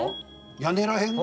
屋根ら辺？